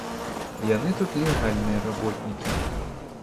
Яны тут легальныя работнікі.